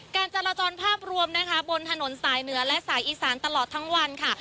การจราจรภาพรวมนะคะบนถนนสายเหนือและสายอีสานตลอดทั้งวันค่ะ